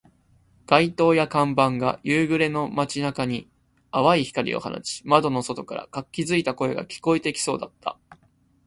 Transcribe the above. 街灯や看板が夕暮れの街中に淡い光を放ち、窓の外から活気付いた声が聞こえてきそうだった